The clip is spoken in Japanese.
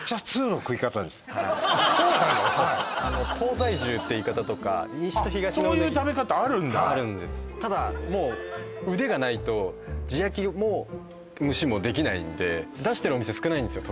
はいあの東西重って言い方とか西と東のうなぎあっそういう食べ方あるんだあるんですただもう腕がないと地焼きも蒸しもできないんで出してるお店少ないんですよ